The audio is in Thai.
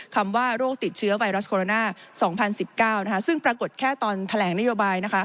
คำว่าโรคติดเชื้อไวรัสโคโรนา๒๐๑๙ซึ่งปรากฏแค่ตอนแถลงนโยบาย